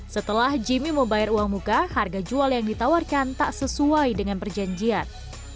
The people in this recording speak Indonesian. setelah jimmy membayar uang muka harga jual yang ditawarkan tak sesuai dengan perjanjian